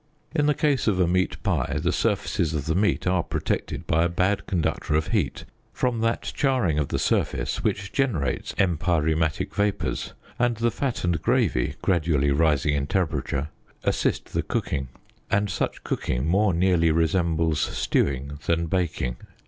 In the case of a meat pie the surfaces of the meat are protected by a bad conductor of heat from that charring of the surface which generates empyreumatic vapours, and the fat and gravy, gradually rising in temperature, assist the cooking, and such cooking more nearly resembles stewing than baking.